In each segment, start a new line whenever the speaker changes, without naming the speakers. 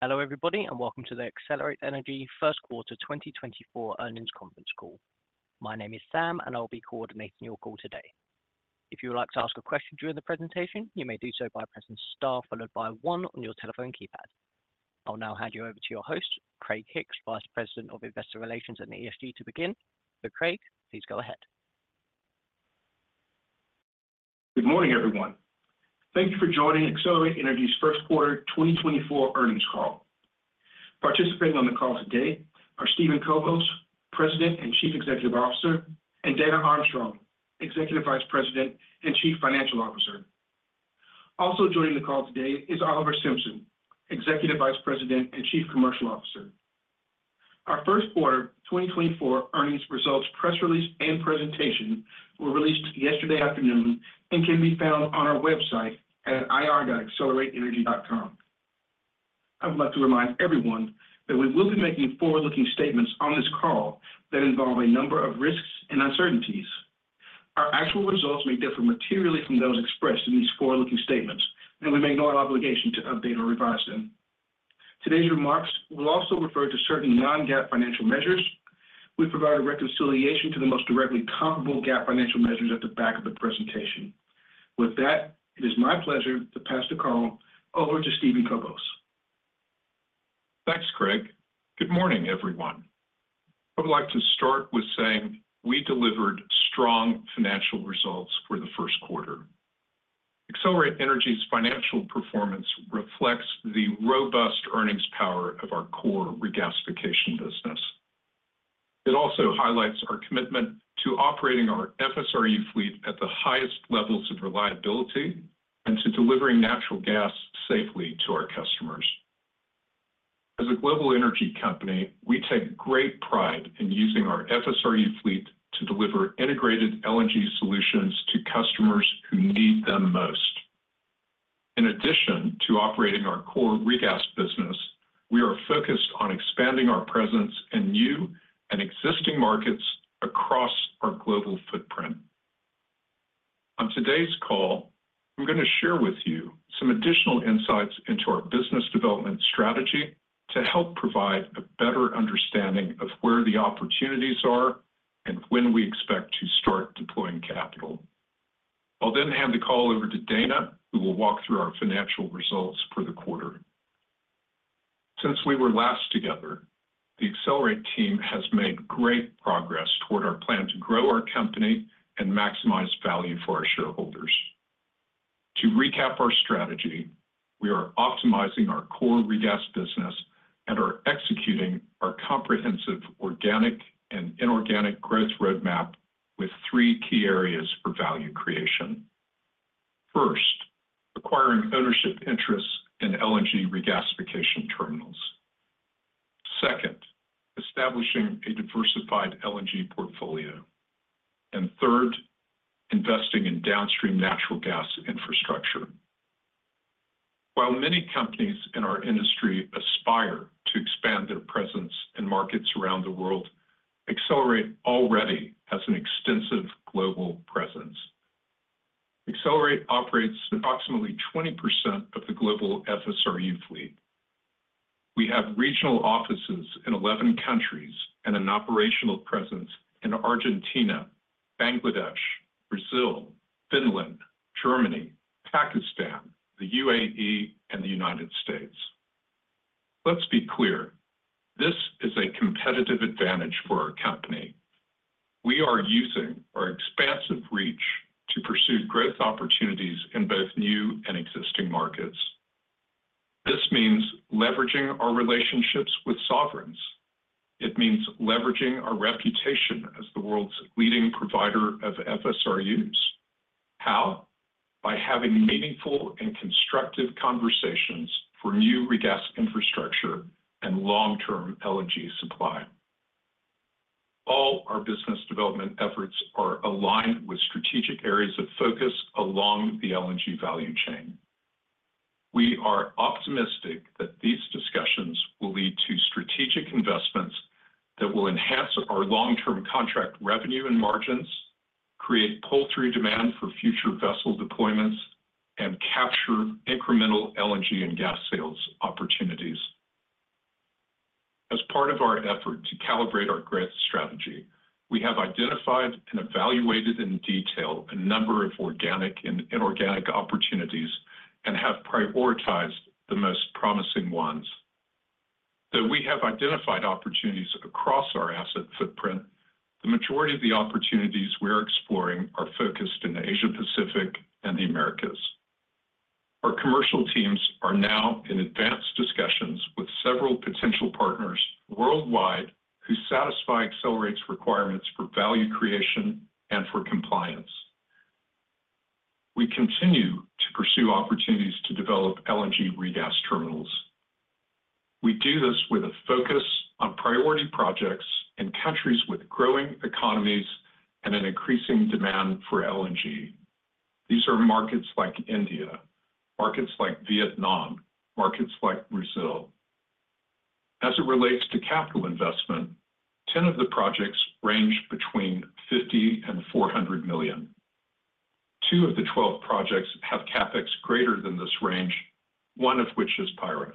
Hello everybody, and welcome to the Excelerate Energy 1st Quarter 2024 Earnings Conference Call. My name is Sam, and I'll be coordinating your call today. If you would like to ask a question during the presentation, you may do so by pressing star followed by 1 on your telephone keypad. I'll now hand you over to your host, Craig Hicks, Vice President of Investor Relations and ESG, to begin. Craig, please go ahead.
Good morning, everyone. Thank you for joining Excelerate Energy's 1st Quarter 2024 Earnings call. Participating on the call today are Steven Kobos, President and Chief Executive Officer, and Dana Armstrong, Executive Vice President and Chief Financial Officer. Also joining the call today is Oliver Simpson, Executive Vice President and Chief Commercial Officer. Our 1st Quarter 2024 Earnings results press release and presentation were released yesterday afternoon and can be found on our website at ir.excelerateenergy.com. I would like to remind everyone that we will be making forward-looking statements on this call that involve a number of risks and uncertainties. Our actual results may differ materially from those expressed in these forward-looking statements, and we make no obligation to update or revise them. Today's remarks will also refer to certain non-GAAP financial measures. We provide a reconciliation to the most directly comparable GAAP financial measures at the back of the presentation. With that, it is my pleasure to pass the call over to Steven Kobos.
Thanks, Craig. Good morning, everyone. I would like to start with saying we delivered strong financial results for the first quarter. Excelerate Energy's financial performance reflects the robust earnings power of our core regasification business. It also highlights our commitment to operating our FSRU fleet at the highest levels of reliability and to delivering natural gas safely to our customers. As a global energy company, we take great pride in using our FSRU fleet to deliver integrated LNG solutions to customers who need them most. In addition to operating our core regas business, we are focused on expanding our presence in new and existing markets across our global footprint. On today's call, I'm going to share with you some additional insights into our business development strategy to help provide a better understanding of where the opportunities are and when we expect to start deploying capital. I'll then hand the call over to Dana, who will walk through our financial results for the quarter. Since we were last together, the Excelerate team has made great progress toward our plan to grow our company and maximize value for our shareholders. To recap our strategy, we are optimizing our core regas business and are executing our comprehensive organic and inorganic growth roadmap with three key areas for value creation. First, acquiring ownership interests in LNG regasification terminals. Second, establishing a diversified LNG portfolio. And third, investing in downstream natural gas infrastructure. While many companies in our industry aspire to expand their presence in markets around the world, Excelerate already has an extensive global presence. Excelerate operates approximately 20% of the global FSRU fleet. We have regional offices in 11 countries and an operational presence in Argentina, Bangladesh, Brazil, Finland, Germany, Pakistan, the UAE, and the United States. Let's be clear: this is a competitive advantage for our company. We are using our expansive reach to pursue growth opportunities in both new and existing markets. This means leveraging our relationships with sovereigns. It means leveraging our reputation as the world's leading provider of FSRUs. How? By having meaningful and constructive conversations for new regas infrastructure and long-term LNG supply. All our business development efforts are aligned with strategic areas of focus along the LNG value chain. We are optimistic that these discussions will lead to strategic investments that will enhance our long-term contract revenue and margins, create pull-through demand for future vessel deployments, and capture incremental LNG and gas sales opportunities. As part of our effort to calibrate our growth strategy, we have identified and evaluated in detail a number of organic and inorganic opportunities and have prioritized the most promising ones. Though we have identified opportunities across our asset footprint, the majority of the opportunities we're exploring are focused in the Asia-Pacific and the Americas. Our commercial teams are now in advanced discussions with several potential partners worldwide who satisfy Excelerate's requirements for value creation and for compliance. We continue to pursue opportunities to develop LNG regas terminals. We do this with a focus on priority projects in countries with growing economies and an increasing demand for LNG. These are markets like India, markets like Vietnam, markets like Brazil. As it relates to capital investment, 10 of the projects range between $50-$400 million. Two of the 12 projects have CapEx greater than this range, one of which is Payra.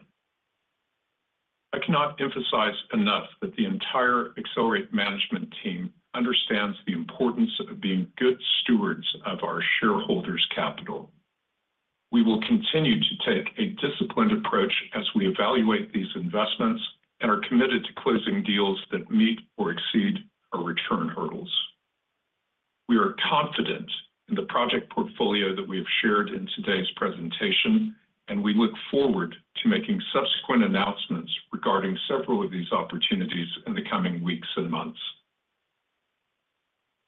I cannot emphasize enough that the entire Excelerate management team understands the importance of being good stewards of our shareholders' capital. We will continue to take a disciplined approach as we evaluate these investments and are committed to closing deals that meet or exceed our return hurdles. We are confident in the project portfolio that we have shared in today's presentation, and we look forward to making subsequent announcements regarding several of these opportunities in the coming weeks and months.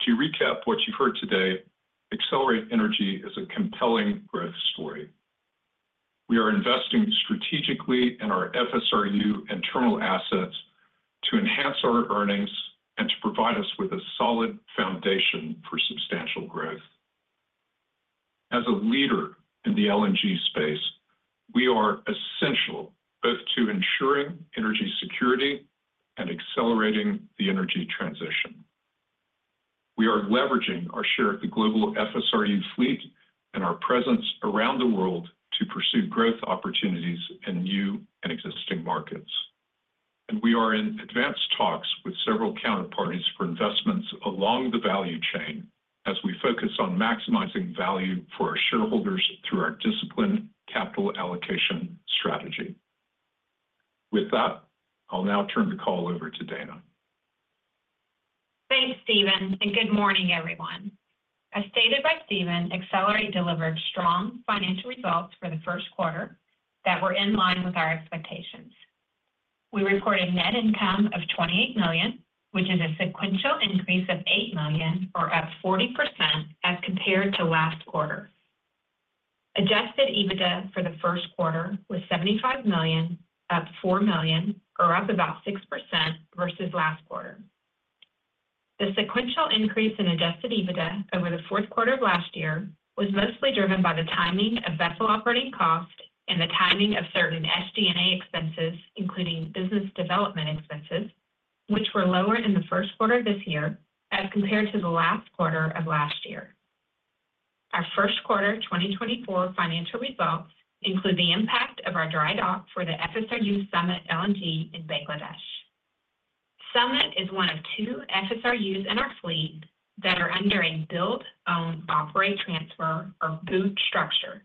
To recap what you've heard today, Excelerate Energy is a compelling growth story. We are investing strategically in our FSRU and terminal assets to enhance our earnings and to provide us with a solid foundation for substantial growth. As a leader in the LNG space, we are essential both to ensuring energy security and accelerating the energy transition. We are leveraging our share of the global FSRU fleet and our presence around the world to pursue growth opportunities in new and existing markets. We are in advanced talks with several counterparties for investments along the value chain as we focus on maximizing value for our shareholders through our disciplined capital allocation strategy. With that, I'll now turn the call over to Dana.
Thanks, Steven, and good morning, everyone. As stated by Steven, Excelerate delivered strong financial results for the 1st quarter that were in line with our expectations. We reported net income of $28 million, which is a sequential increase of $8 million, or up 40% as compared to last quarter. Adjusted EBITDA for the 1st quarter was $75 million, up $4 million, or up about 6% versus last quarter. The sequential increase in adjusted EBITDA over the 4th quarter of last year was mostly driven by the timing of vessel operating costs and the timing of certain SG&A expenses, including business development expenses, which were lower in the 1st quarter of this year as compared to the last quarter of last year. Our 1st quarter 2024 financial results include the impact of our dry dock for the FSRU Summit LNG in Bangladesh. Summit is one of two FSRUs in our fleet that are under a build-own-operate transfer, or BOOT, structure.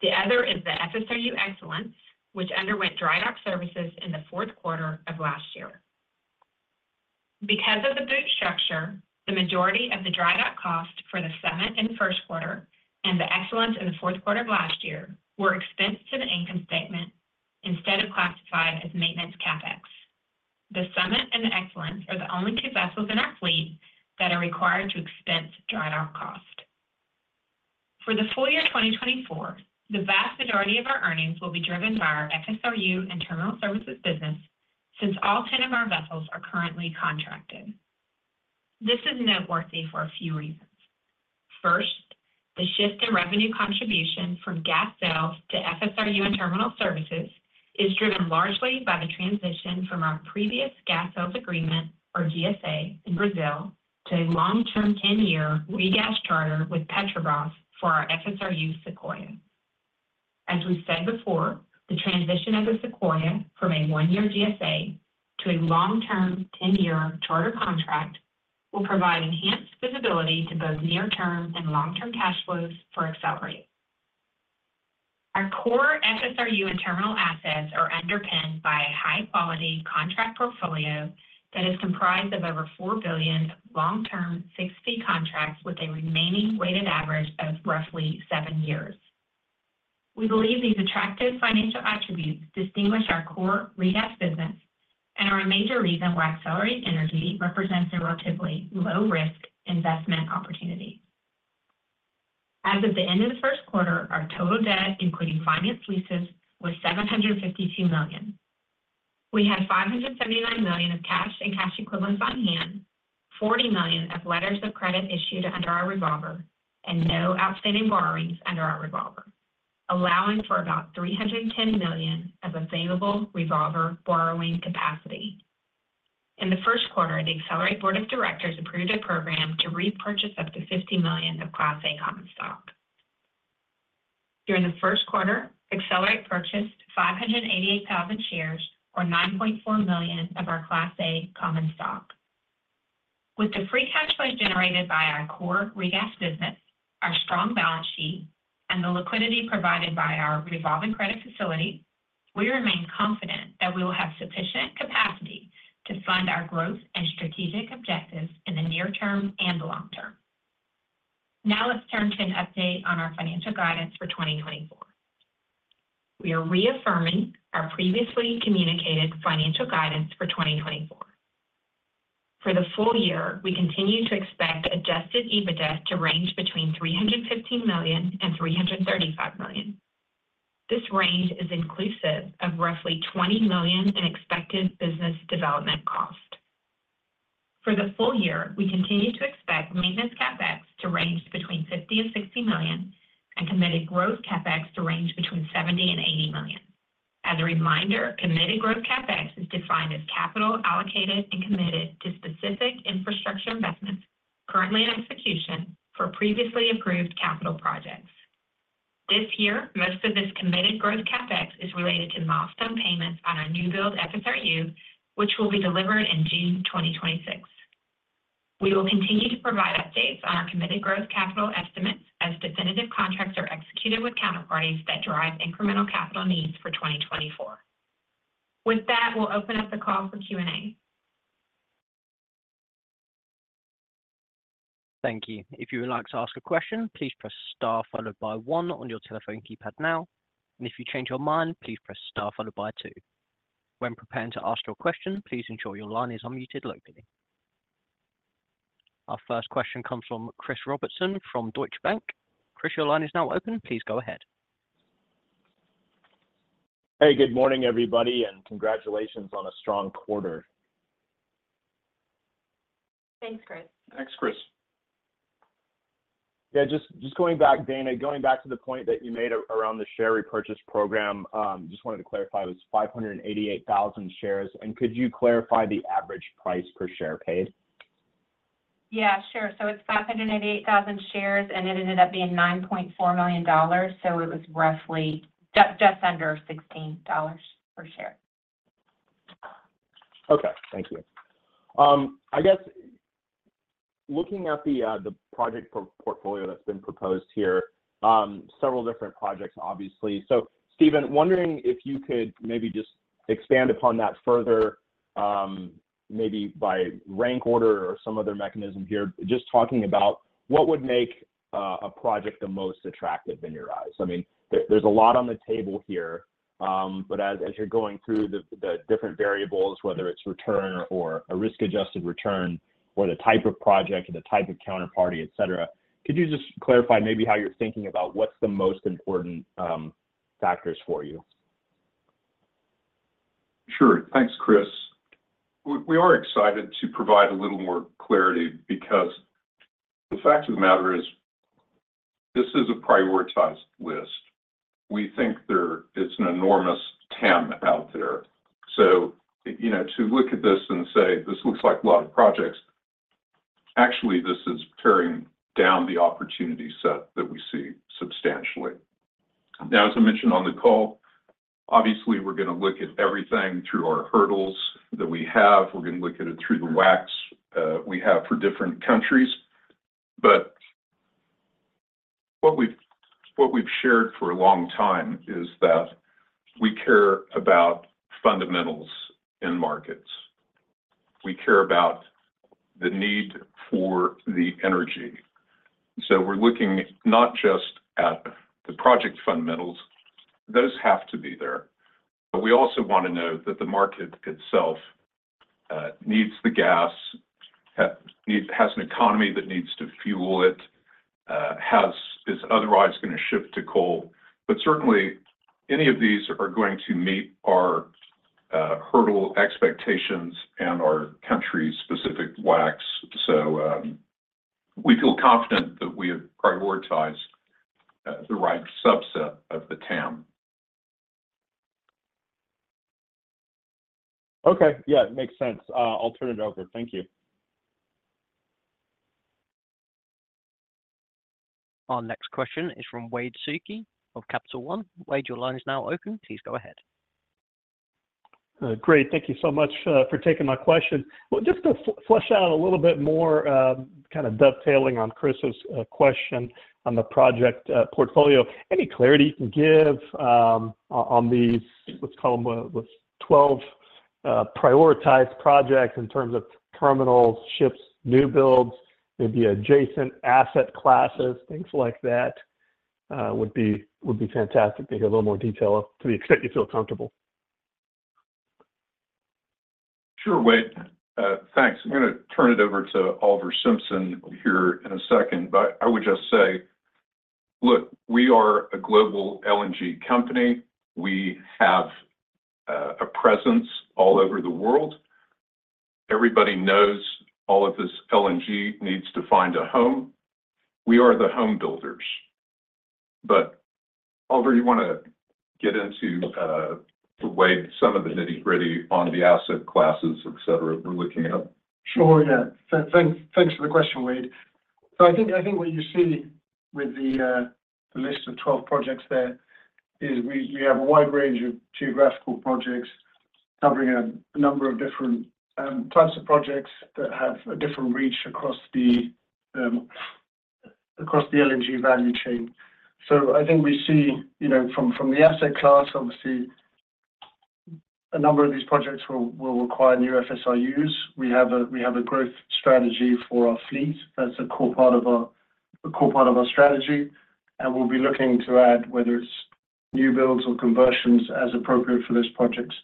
The other is the FSRU Excellence, which underwent dry dock services in the 4th quarter of last year. Because of the BOOT structure, the majority of the dry dock cost for the Summit in the 1st quarter and the Excellence in the 4th quarter of last year were expensed to the income statement instead of classified as maintenance CapEx. The Summit and the Excellence are the only two vessels in our fleet that are required to expense dry dock cost. For the full year 2024, the vast majority of our earnings will be driven by our FSRU and terminal services business since all 10 of our vessels are currently contracted. This is noteworthy for a few reasons. First, the shift in revenue contribution from gas sales to FSRU and terminal services is driven largely by the transition from our previous gas sales agreement, or GSA, in Brazil to a long-term 10-year regas charter with Petrobras for our FSRU Sequoia. As we've said before, the transition of the Sequoia from a one-year GSA to a long-term 10-year charter contract will provide enhanced visibility to both near-term and long-term cash flows for Excelerate. Our core FSRU and terminal assets are underpinned by a high-quality contract portfolio that is comprised of over $4 billion long-term fixed-fee contracts with a remaining weighted average of roughly seven years. We believe these attractive financial attributes distinguish our core regas business and are a major reason why Excelerate Energy represents a relatively low-risk investment opportunity. As of the end of the first quarter, our total debt, including finance leases, was $752 million. We had $579 million of cash and cash equivalents on hand, $40 million of letters of credit issued under our revolver, and no outstanding borrowings under our revolver, allowing for about $310 million of available revolver borrowing capacity. In the first quarter, the Excelerate Board of Directors approved a program to repurchase up to $50 million of Class A common stock. During the first quarter, Excelerate purchased 588,000 shares, or $9.4 million, of our Class A common stock. With the free cash flow generated by our core regas business, our strong balance sheet, and the liquidity provided by our revolving credit facility, we remain confident that we will have sufficient capacity to fund our growth and strategic objectives in the near term and the long term. Now let's turn to an update on our financial guidance for 2024. We are reaffirming our previously communicated financial guidance for 2024. For the full year, we continue to expect Adjusted EBITDA to range between $315 million and $335 million. This range is inclusive of roughly $20 million in expected business development cost. For the full year, we continue to expect maintenance CapEx to range between $50 million and $60 million and committed growth CapEx to range between $70 million and $80 million. As a reminder, committed growth CapEx is defined as capital allocated and committed to specific infrastructure investments currently in execution for previously approved capital projects. This year, most of this committed growth CapEx is related to milestone payments on our new-build FSRU, which will be delivered in June 2026. We will continue to provide updates on our committed growth capital estimates as definitive contracts are executed with counterparties that drive incremental capital needs for 2024. With that, we'll open up the call for Q&A.
Thank you. If you would like to ask a question, please press Star followed by one on your telephone keypad now. If you change your mind, please press Star followed by two. When preparing to ask your question, please ensure your line is unmuted locally. Our first question comes from Chris Robertson from Deutsche Bank. Chris, your line is now open. Please go ahead.
Hey, good morning, everybody, and congratulations on a strong quarter.
Thanks, Chris.
Thanks, Chris.
Yeah, just going back, Dana, going back to the point that you made around the share repurchase program, I just wanted to clarify, it was 588,000 shares. Could you clarify the average price per share paid?
Yeah, sure. So it's 588,000 shares, and it ended up being $9.4 million. So it was roughly just under $16 per share.
Okay. Thank you. I guess looking at the project portfolio that's been proposed here, several different projects, obviously. So Steven, wondering if you could maybe just expand upon that further, maybe by rank order or some other mechanism here, just talking about what would make a project the most attractive in your eyes. I mean, there's a lot on the table here, but as you're going through the different variables, whether it's return or a risk-adjusted return or the type of project and the type of counterparty, etc., could you just clarify maybe how you're thinking about what's the most important factors for you?
Sure. Thanks, Chris. We are excited to provide a little more clarity because the fact of the matter is, this is a prioritized list. We think there is an enormous TAM out there. So to look at this and say, "This looks like a lot of projects," actually, this is paring down the opportunity set that we see substantially. Now, as I mentioned on the call, obviously, we're going to look at everything through our hurdles that we have. We're going to look at it through the WACC we have for different countries. But what we've shared for a long time is that we care about fundamentals in markets. We care about the need for the energy. So we're looking not just at the project fundamentals. Those have to be there. But we also want to know that the market itself needs the gas, has an economy that needs to fuel it, is otherwise going to shift to coal. But certainly, any of these are going to meet our hurdle expectations and our country-specific WACC. So we feel confident that we have prioritized the right subset of the TAM.
Okay. Yeah, it makes sense. I'll turn it over. Thank you.
Our next question is from Wade Suki of Capital One. Wade, your line is now open. Please go ahead.
Great. Thank you so much for taking my question. Well, just to flesh out a little bit more, kind of dovetailing on Chris's question on the project portfolio, any clarity you can give on these, let's call them, 12 prioritized projects in terms of terminals, ships, new builds, maybe adjacent asset classes, things like that would be fantastic to hear a little more detail of to the extent you feel comfortable?
Sure, Wade. Thanks. I'm going to turn it over to Oliver Simpson here in a second. But I would just say, look, we are a global LNG company. We have a presence all over the world. Everybody knows all of this LNG needs to find a home. We are the home builders. But Oliver, you want to get into, Wade, some of the nitty-gritty on the asset classes, etc., we're looking at?
Sure. Yeah. Thanks for the question, Wade. So I think what you see with the list of 12 projects there is we have a wide range of geographical projects covering a number of different types of projects that have a different reach across the LNG value chain. So I think we see from the asset class, obviously, a number of these projects will require new FSRUs. We have a growth strategy for our fleet. That's a core part of our strategy. And we'll be looking to add whether it's new builds or conversions as appropriate for those projects.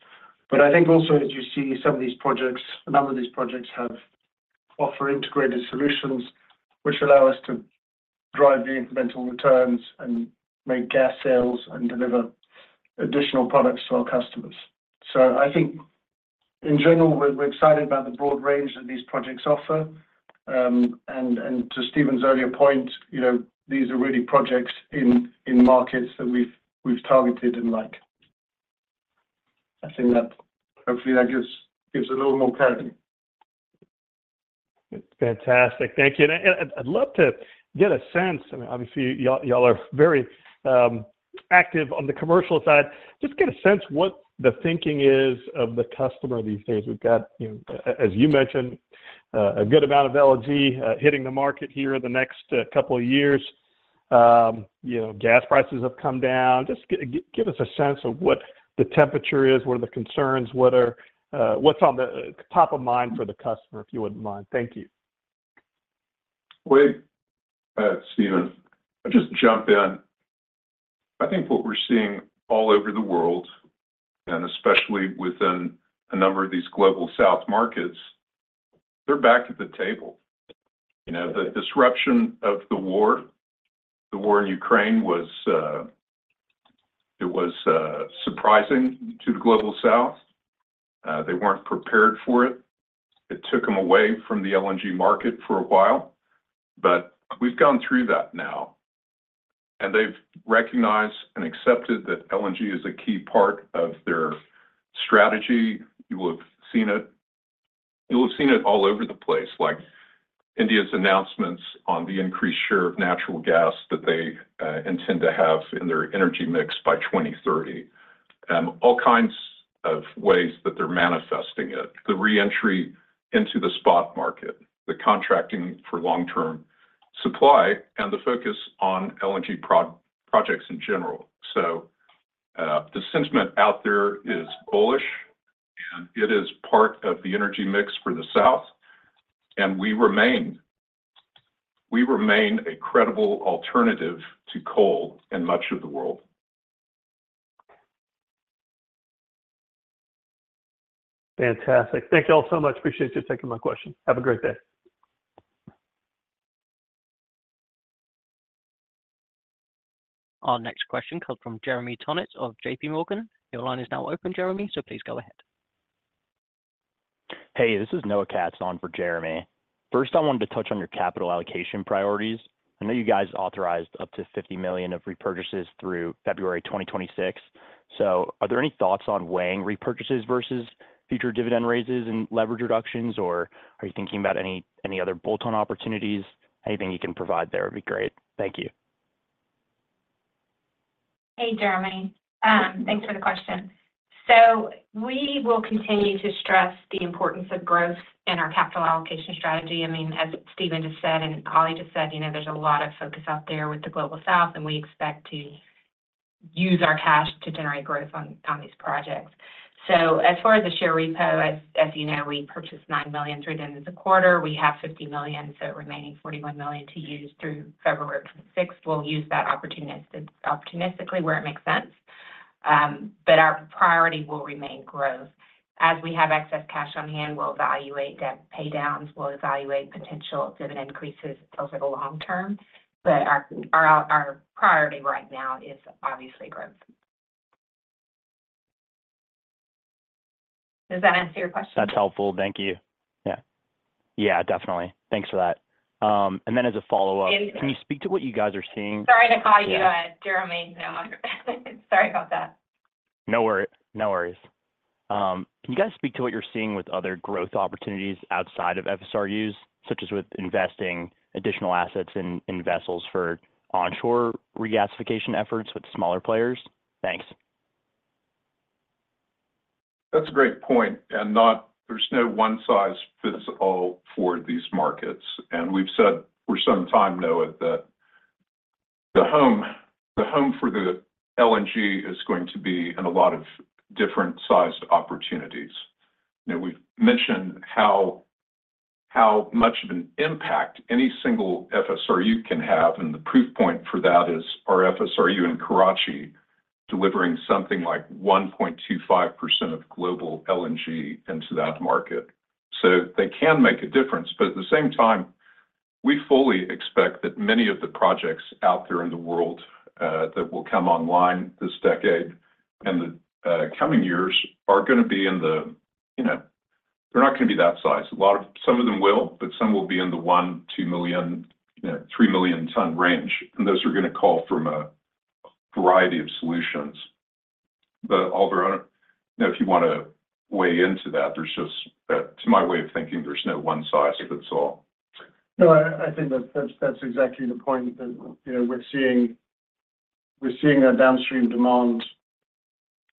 But I think also, as you see, some of these projects, a number of these projects offer integrated solutions which allow us to drive the incremental returns and make gas sales and deliver additional products to our customers. I think, in general, we're excited about the broad range that these projects offer. To Steven's earlier point, these are really projects in markets that we've targeted and like. I think that hopefully, that gives a little more clarity.
It's fantastic. Thank you. I'd love to get a sense, I mean, obviously, y'all are very active on the commercial side. Just get a sense what the thinking is of the customer these days. We've got, as you mentioned, a good amount of LNG hitting the market here in the next couple of years. Gas prices have come down. Just give us a sense of what the temperature is, what are the concerns, what's on the top of mind for the customer, if you wouldn't mind. Thank you.
Wade, Steven, I'll just jump in. I think what we're seeing all over the world, and especially within a number of these Global South markets, they're back at the table. The disruption of the war, the war in Ukraine, was surprising to the Global South. They weren't prepared for it. It took them away from the LNG market for a while. But we've gone through that now. And they've recognized and accepted that LNG is a key part of their strategy. You will have seen it all over the place, like India's announcements on the increased share of natural gas that they intend to have in their energy mix by 2030, all kinds of ways that they're manifesting it, the reentry into the spot market, the contracting for long-term supply, and the focus on LNG projects in general. The sentiment out there is bullish, and it is part of the energy mix for the South. We remain a credible alternative to coal in much of the world.
Fantastic. Thank you all so much. Appreciate you taking my question. Have a great day.
Our next question comes from Jeremy Tonet of J.P. Morgan. Your line is now open, Jeremy, so please go ahead.
Hey, this is Noah Katz on for Jeremy. First, I wanted to touch on your capital allocation priorities. I know you guys authorized up to $50 million of repurchases through February 2026. So are there any thoughts on weighing repurchases versus future dividend raises and leverage reductions, or are you thinking about any other bolt-on opportunities? Anything you can provide there would be great. Thank you.
Hey, Jeremy. Thanks for the question. So we will continue to stress the importance of growth in our capital allocation strategy. I mean, as Steven just said and Ollie just said, there's a lot of focus out there with the Global South, and we expect to use our cash to generate growth on these projects. So as far as the share repo, as you know, we purchased $9 million through the end of the quarter. We have $50 million, so remaining $41 million to use through February 26th. We'll use that opportunistically where it makes sense. But our priority will remain growth. As we have excess cash on hand, we'll evaluate paydowns. We'll evaluate potential dividend increases over the long term. But our priority right now is obviously growth. Does that answer your question?
That's helpful. Thank you. Yeah. Yeah, definitely. Thanks for that. And then as a follow-up, can you speak to what you guys are seeing?
Sorry to call you Jeremy. No. Sorry about that.
No worries. No worries. Can you guys speak to what you're seeing with other growth opportunities outside of FSRUs, such as with investing additional assets in vessels for onshore regasification efforts with smaller players? Thanks.
That's a great point. There's no one-size-fits-all for these markets. We've said for some time, Noah, that the home for the LNG is going to be in a lot of different-sized opportunities. We've mentioned how much of an impact any single FSRU can have. The proof point for that is our FSRU in Karachi delivering something like 1.25% of global LNG into that market. So they can make a difference. But at the same time, we fully expect that many of the projects out there in the world that will come online this decade and the coming years are going to be in the... they're not going to be that size. Some of them will, but some will be in the one, two million, three million-ton range. Those are going to call from a variety of solutions. But Oliver, if you want to weigh into that, there's just, to my way of thinking, there's no one-size-fits-all.
No, I think that's exactly the point that we're seeing. We're seeing a downstream demand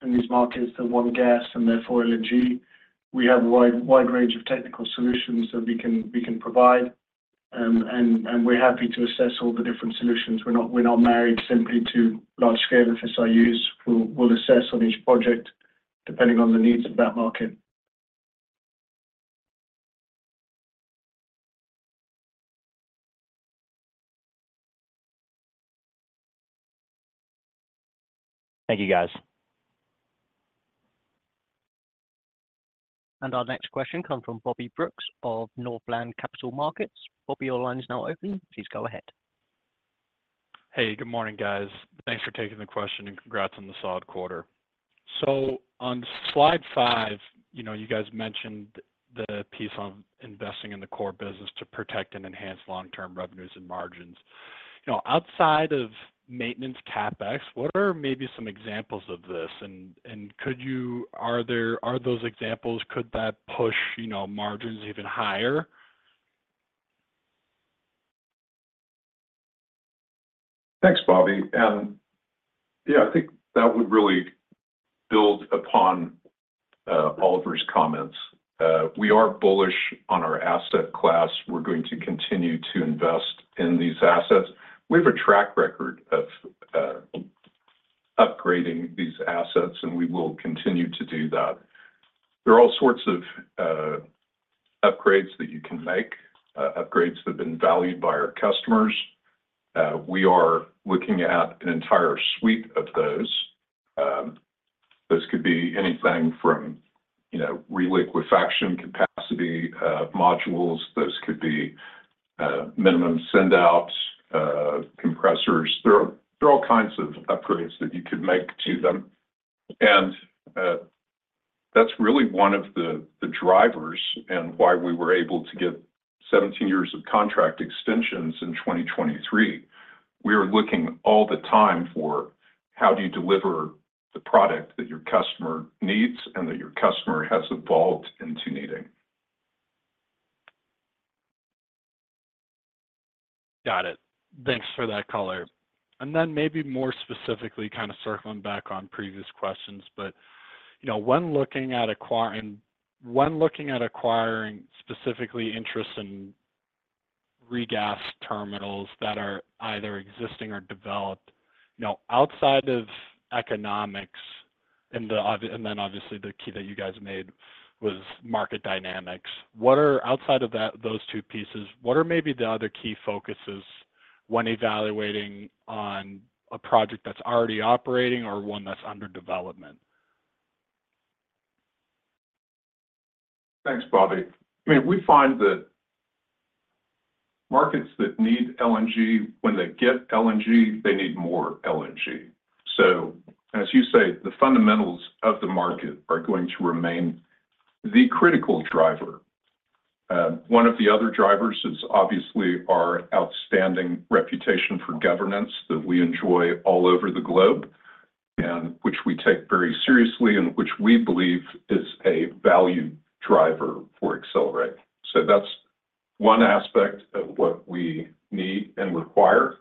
in these markets for natural gas and therefore LNG. We have a wide range of technical solutions that we can provide. We're happy to assess all the different solutions. We're not married simply to large-scale FSRUs. We'll assess on each project depending on the needs of that market.
Thank you, guys.
Our next question comes from Bobby Brooks of Northland Capital Markets. Bobby, your line is now open. Please go ahead.
Hey, good morning, guys. Thanks for taking the question, and congrats on the solid quarter. So on slide five, you guys mentioned the piece on investing in the core business to protect and enhance long-term revenues and margins. Outside of maintenance Capex, what are maybe some examples of this? And could those examples push margins even higher?
Thanks, Bobby. Yeah, I think that would really build upon Oliver's comments. We are bullish on our asset class. We're going to continue to invest in these assets. We have a track record of upgrading these assets, and we will continue to do that. There are all sorts of upgrades that you can make, upgrades that have been valued by our customers. We are looking at an entire suite of those. Those could be anything from reliquefaction capacity modules. Those could be minimum send-out compressors. There are all kinds of upgrades that you could make to them. That's really one of the drivers and why we were able to get 17 years of contract extensions in 2023. We are looking all the time for how do you deliver the product that your customer needs and that your customer has evolved into needing.
Got it. Thanks for that, Color. And then maybe more specifically, kind of circling back on previous questions, but when looking at acquiring specifically interest in regas terminals that are either existing or developed, outside of economics and then obviously, the key that you guys made was market dynamics, outside of those two pieces, what are maybe the other key focuses when evaluating on a project that's already operating or one that's under development?
Thanks, Bobby. I mean, we find that markets that need LNG, when they get LNG, they need more LNG. So as you say, the fundamentals of the market are going to remain the critical driver. One of the other drivers is obviously our outstanding reputation for governance that we enjoy all over the globe and which we take very seriously and which we believe is a value driver for Excelerate. So that's one aspect of what we need and require.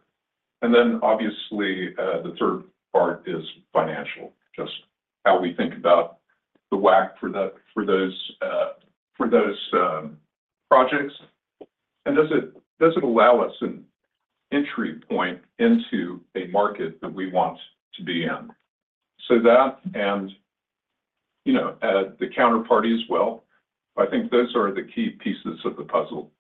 And then obviously, the third part is financial, just how we think about the WACC for those projects. And does it allow us an entry point into a market that we want to be in? So that and the counterparty as well, I think those are the key pieces of the puzzle.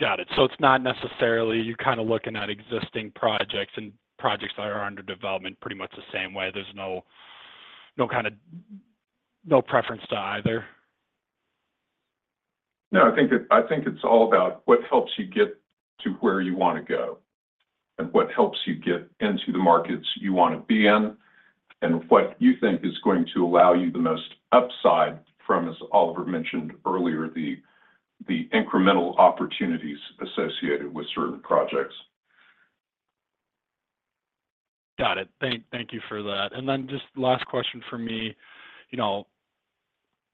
Got it. So it's not necessarily you're kind of looking at existing projects and projects that are under development pretty much the same way. There's no kind of no preference to either?
No, I think it's all about what helps you get to where you want to go and what helps you get into the markets you want to be in and what you think is going to allow you the most upside from, as Oliver mentioned earlier, the incremental opportunities associated with certain projects.
Got it. Thank you for that. Then just last question for me.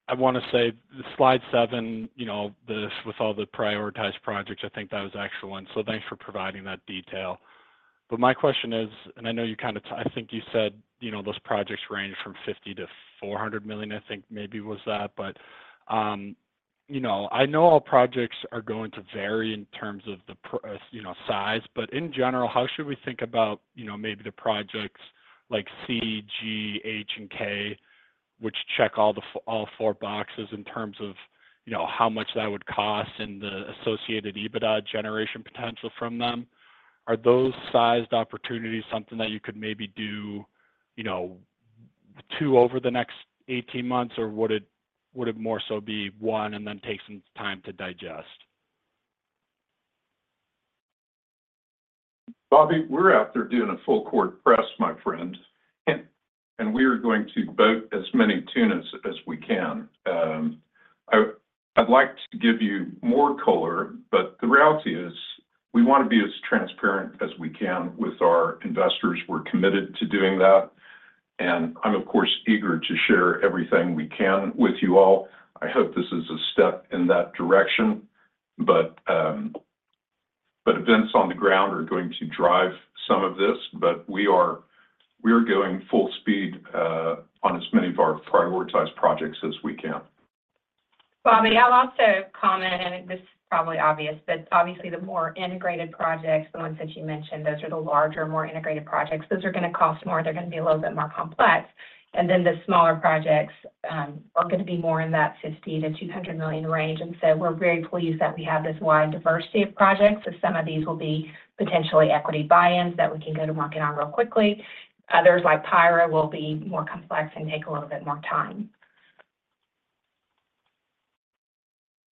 I want to say the slide seven, this with all the prioritized projects, I think that was excellent. So thanks for providing that detail. But my question is, and I know you kind of I think you said those projects range from $50 million-$400 million, I think maybe was that. But I know all projects are going to vary in terms of the size. But in general, how should we think about maybe the projects like C, G, H, and K, which check all four boxes in terms of how much that would cost and the associated EBITDA generation potential from them? Are those sized opportunities something that you could maybe do two over the next 18 months, or would it more so be one and then take some time to digest?
Bobby, we're out there doing a full-court press, my friend. And we are going to boat as many tunas as we can. I'd like to give you more color, but the reality is we want to be as transparent as we can with our investors. We're committed to doing that. And I'm, of course, eager to share everything we can with you all. I hope this is a step in that direction. But events on the ground are going to drive some of this. But we are going full speed on as many of our prioritized projects as we can.
Bobby, I'll also comment, and this is probably obvious, but obviously, the more integrated projects, the ones that you mentioned, those are the larger, more integrated projects. Those are going to cost more. They're going to be a little bit more complex. Then the smaller projects are going to be more in that $50 million-$200 million range. So we're very pleased that we have this wide diversity of projects. So some of these will be potentially equity buy-ins that we can go to market on real quickly. Others like Payra will be more complex and take a little bit more time.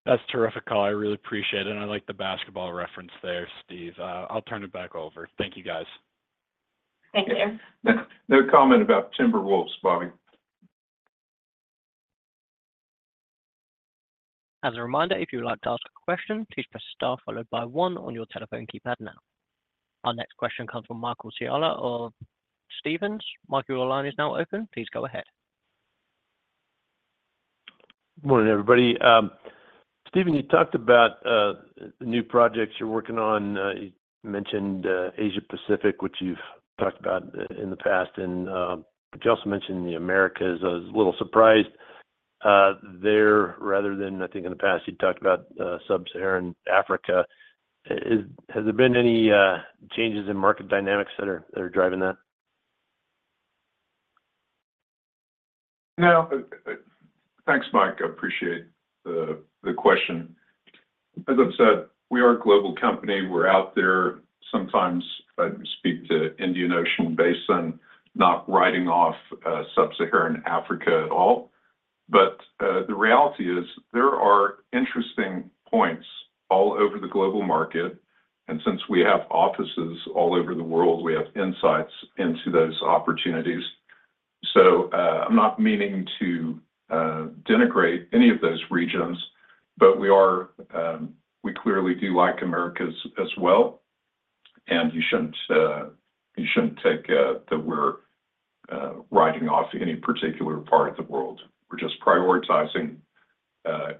That's terrific, Coll. I really appreciate it. And I like the basketball reference there, Steve. I'll turn it back over. Thank you, guys.
Thank you.
No comment about Timberwolves, Bobby.
As a reminder, if you would like to ask a question, please press star followed by one on your telephone keypad now. Our next question comes from Michael Scialla of Stephens. Michael, your line is now open. Please go ahead.
Morning, everybody. Steven, you talked about the new projects you're working on. You mentioned Asia-Pacific, which you've talked about in the past. But you also mentioned the Americas. I was a little surprised there rather than, I think, in the past, you'd talked about Sub-Saharan Africa. Has there been any changes in market dynamics that are driving that?
No, thanks, Mike. I appreciate the question. As I've said, we are a global company. We're out there. Sometimes I speak to India, not writing off Sub-Saharan Africa at all. But the reality is there are interesting points all over the global market. And since we have offices all over the world, we have insights into those opportunities. So I'm not meaning to denigrate any of those regions, but we clearly do like Americas as well. And you shouldn't take that we're writing off any particular part of the world. We're just prioritizing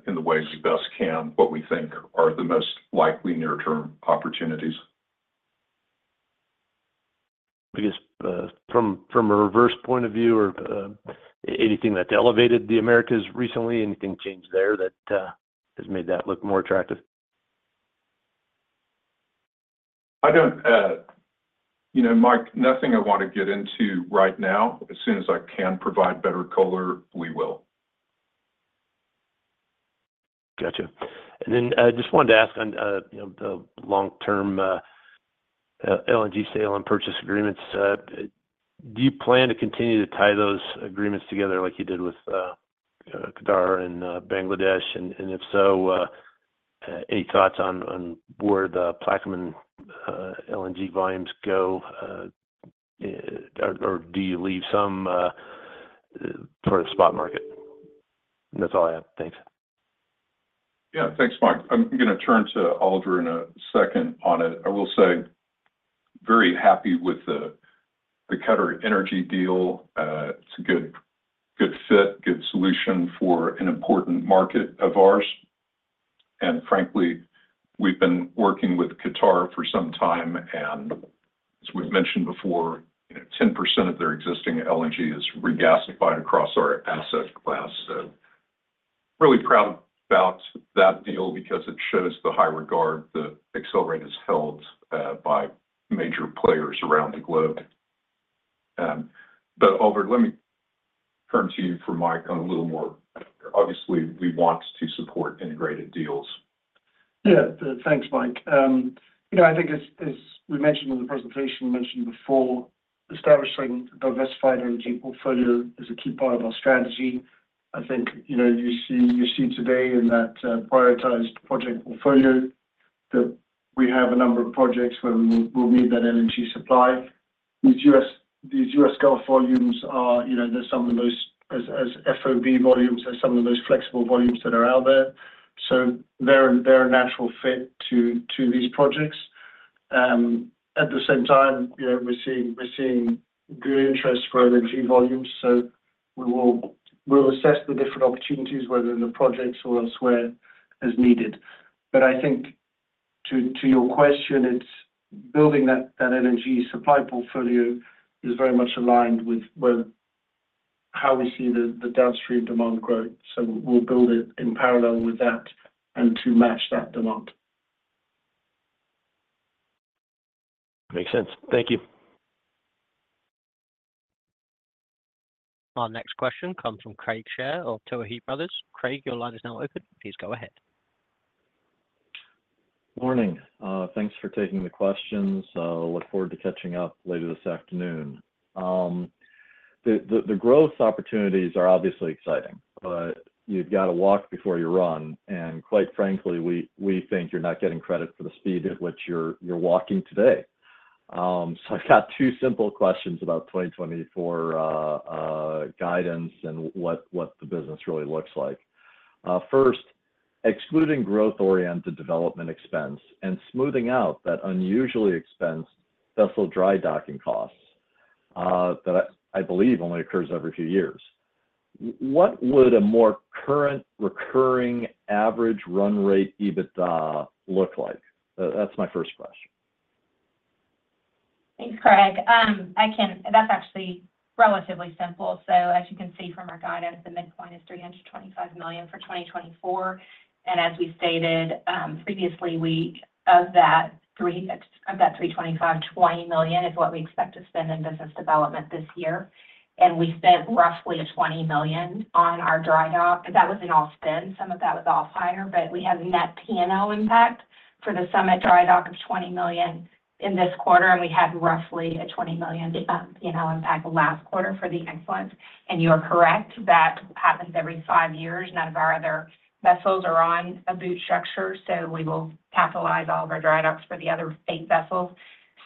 in the way we best can what we think are the most likely near-term opportunities.
I guess from a reverse point of view or anything that elevated the Americas recently, anything changed there that has made that look more attractive?
Mike, nothing I want to get into right now. As soon as I can provide better color, we will.
Gotcha. And then I just wanted to ask on the long-term LNG sale and purchase agreements. Do you plan to continue to tie those agreements together like you did with Qatar and Bangladesh? And if so, any thoughts on where the Plaquemines LNG volumes go, or do you leave some for the spot market? And that's all I have. Thanks.
Yeah. Thanks, Mike. I'm going to turn to Oliver in a second on it. I will say very happy with the QatarEnergy deal. It's a good fit, good solution for an important market of ours. And frankly, we've been working with Qatar for some time. And as we've mentioned before, 10% of their existing LNG is regasified across our asset class. So really proud about that deal because it shows the high regard that Excelerate has held by major players around the globe. But Oliver, let me turn to you for Mike on a little more. Obviously, we want to support integrated deals.
Yeah. Thanks, Mike. I think, as we mentioned in the presentation, mentioned before, establishing a diversified energy portfolio is a key part of our strategy. I think you see today in that prioritized project portfolio that we have a number of projects where we'll need that energy supply. These U.S. Gulf volumes, they're some of the most attractive FOB volumes, they're some of the most flexible volumes that are out there. So they're a natural fit to these projects. At the same time, we're seeing good interest for LNG volumes. So we'll assess the different opportunities, whether in the projects or elsewhere, as needed. But I think to your question, building that energy supply portfolio is very much aligned with how we see the downstream demand growth. So we'll build it in parallel with that and to match that demand.
Makes sense. Thank you.
Our next question comes from Craig Shere of Tuohy Brothers. Craig, your line is now open. Please go ahead.
Morning. Thanks for taking the questions. I look forward to catching up later this afternoon. The growth opportunities are obviously exciting, but you've got to walk before you run. Quite frankly, we think you're not getting credit for the speed at which you're walking today. I've got two simple questions about 2020 for guidance and what the business really looks like. First, excluding growth-oriented development expense and smoothing out that unusually expensed vessel dry dock costs that I believe only occurs every few years, what would a more current recurring average run rate EBITDA look like? That's my first question.
Thanks, Craig. That's actually relatively simple. So as you can see from our guidance, the midpoint is $325 million for 2024. And as we stated previous week, of that $325 million, $20 million is what we expect to spend in business development this year. And we spent roughly $20 million on our dry dock. That was the all-in spend. Some of that was off-hire. But we have net P&L impact for the Summit dry dock of $20 million in this quarter. And we had roughly a $20 million P&L impact last quarter for the Excellence. And you are correct. That happens every five years. None of our other vessels are on a BOOT structure. So we will capitalize all of our dry docks for the other eight vessels.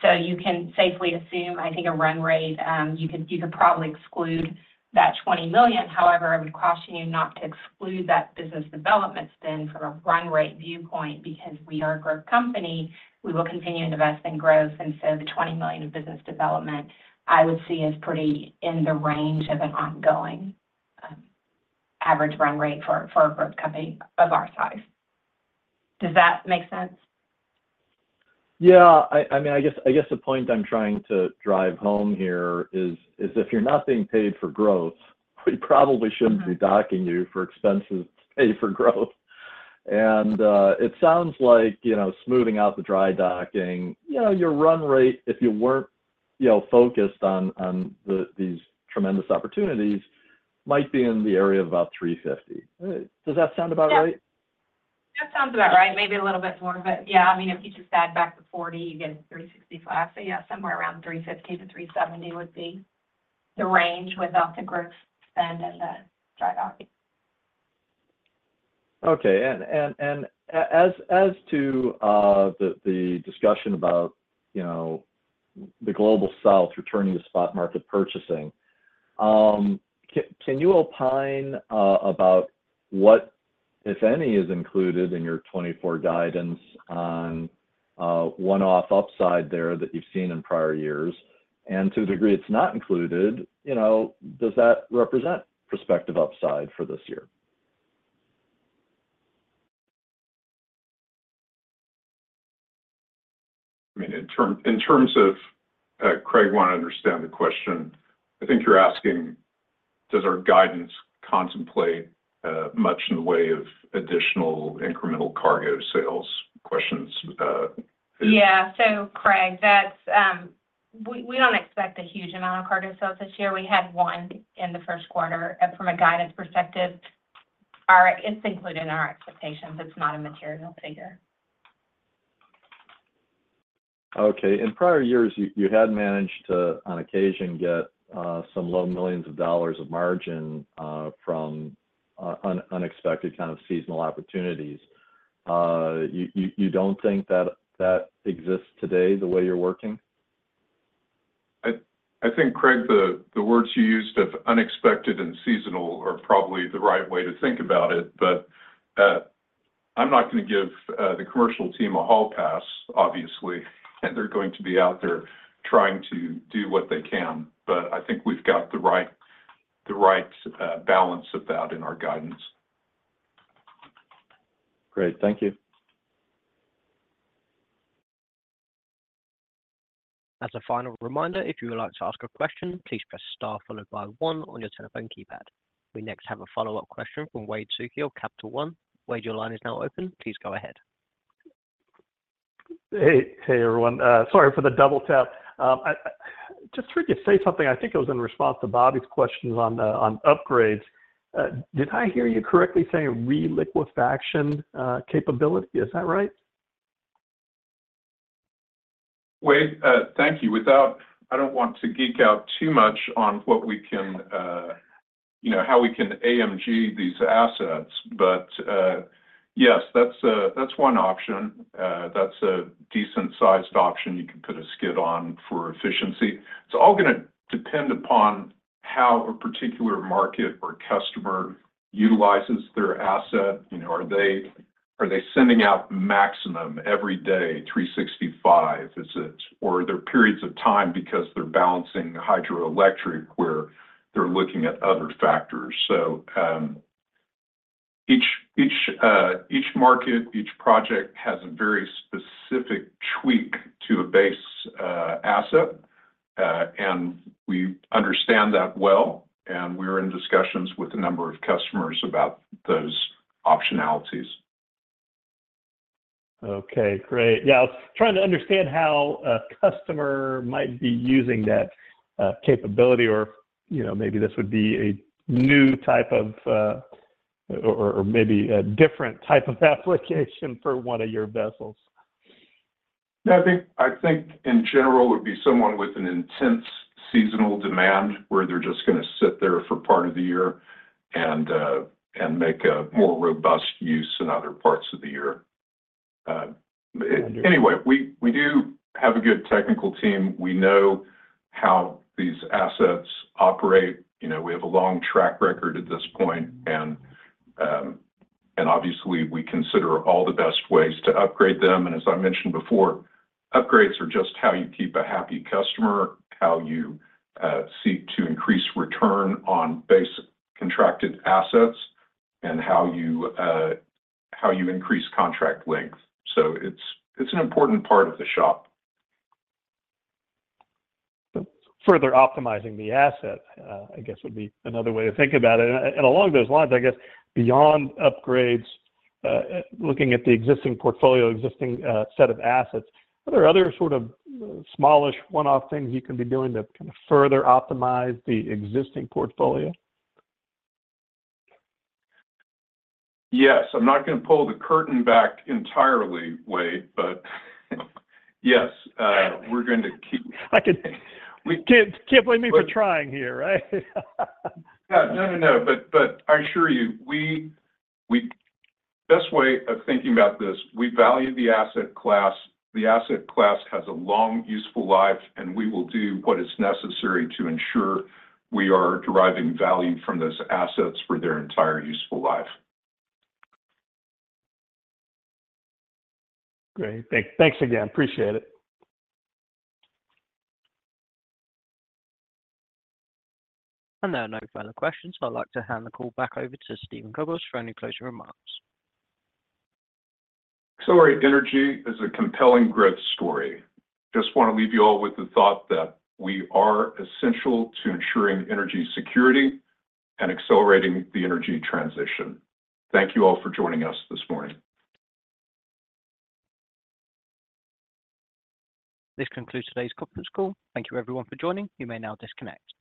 So you can safely assume, I think, a run rate. You could probably exclude that $20 million. However, I would caution you not to exclude that business development spend from a run rate viewpoint because we are a growth company. We will continue investing growth. And so the $20 million of business development, I would see as pretty in the range of an ongoing average run rate for a growth company of our size. Does that make sense?
Yeah. I mean, I guess the point I'm trying to drive home here is if you're not being paid for growth, we probably shouldn't be docking you for expenses to pay for growth. And it sounds like smoothing out the dry docking, your run rate, if you weren't focused on these tremendous opportunities, might be in the area of about 350. Does that sound about right?
Yeah. That sounds about right. Maybe a little bit more. But yeah, I mean, if you just add back the $40, you get a $360 flat. So yeah, somewhere around $350-$370 would be the range without the growth spend and the dry docking.
Okay. And as to the discussion about the Global South returning to spot market purchasing, can you opine about what, if any, is included in your 2024 guidance on one-off upside there that you've seen in prior years? And to the degree it's not included, does that represent prospective upside for this year?
I mean, in terms of Craig want to understand the question, I think you're asking, does our guidance contemplate much in the way of additional incremental cargo sales questions?
Yeah. So Craig, we don't expect a huge amount of cargo sales this year. We had one in the first quarter. From a guidance perspective, it's included in our expectations. It's not a material figure.
Okay. In prior years, you had managed to, on occasion, get some low millions of dollars of margin from unexpected kind of seasonal opportunities. You don't think that exists today the way you're working?
I think, Craig, the words you used of unexpected and seasonal are probably the right way to think about it. But I'm not going to give the commercial team a hall pass, obviously. And they're going to be out there trying to do what they can. But I think we've got the right balance of that in our guidance.
Great. Thank you.
As a final reminder, if you would like to ask a question, please press star followed by 1 on your telephone keypad. We next have a follow-up question from Wade Suki of Capital One. Wade, your line is now open. Please go ahead.
Hey, everyone. Sorry for the double tap. Just heard you say something. I think it was in response to Bobby's questions on upgrades. Did I hear you correctly saying reliquefaction capability? Is that right?
Wade, thank you. I don't want to geek out too much on what we can how we can AMG these assets. But yes, that's one option. That's a decent-sized option you can put a skid on for efficiency. It's all going to depend upon how a particular market or customer utilizes their asset. Are they sending out maximum every day, 365, is it? Or are there periods of time because they're balancing hydroelectric where they're looking at other factors? So each market, each project has a very specific tweak to a base asset. And we understand that well. And we're in discussions with a number of customers about those optionalities.
Okay. Great. Yeah. I was trying to understand how a customer might be using that capability or maybe this would be a new type of or maybe a different type of application for one of your vessels.
Yeah. I think, in general, it would be someone with an intense seasonal demand where they're just going to sit there for part of the year and make more robust use in other parts of the year. Anyway, we do have a good technical team. We know how these assets operate. We have a long track record at this point. And obviously, we consider all the best ways to upgrade them. And as I mentioned before, upgrades are just how you keep a happy customer, how you seek to increase return on base contracted assets, and how you increase contract length. So it's an important part of the shop.
Further optimizing the asset, I guess, would be another way to think about it. And along those lines, I guess, beyond upgrades, looking at the existing portfolio, existing set of assets, are there other sort of smallish one-off things you can be doing to kind of further optimize the existing portfolio?
Yes. I'm not going to pull the curtain back entirely, Wade, but yes, we're going to keep.
I could. You can't blame me for trying here, right?
Yeah. No, no, no. But I assure you, best way of thinking about this, we value the asset class. The asset class has a long useful life. We will do what is necessary to ensure we are deriving value from those assets for their entire useful life.
Great. Thanks again. Appreciate it.
There are no final questions, so I'd like to hand the call back over to Steven Kobos for any closing remarks.
Excelerate Energy is a compelling growth story. Just want to leave you all with the thought that we are essential to ensuring energy security and accelerating the energy transition. Thank you all for joining us this morning.
This concludes today's conference call. Thank you, everyone, for joining. You may now disconnect.